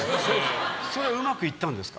それうまくいったんですか。